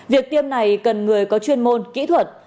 việc tiêm này cần người có chuyên môn kỹ thuật